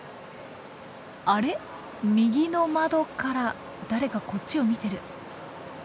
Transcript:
あれ右の窓から誰かこっちを見てる？